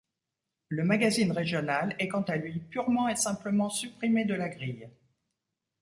Le magazine régional est quant à lui purement et simplement supprimé de la grille.